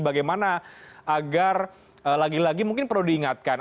bagaimana agar lagi lagi mungkin perlu diingatkan